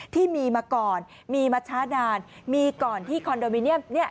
ที่มีมาก่อนมีมาช้านานมีก่อนที่คอนโดมิเนียมเนี่ย